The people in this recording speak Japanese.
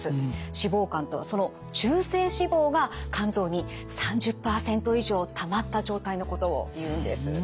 脂肪肝とはその中性脂肪が肝臓に３０％以上たまった状態のことをいうんです。